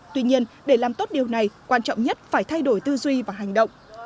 tuy nhiên để làm tốt điều này quan trọng nhất phải thay đổi tư duy và hành động